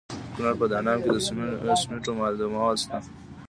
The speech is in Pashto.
د کونړ په دانګام کې د سمنټو مواد شته.